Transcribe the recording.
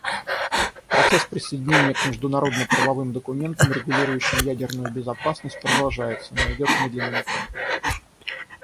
Процесс присоединения к международно-правовым документам, регулирующим ядерную безопасность, продолжается, но идет медленными темпами.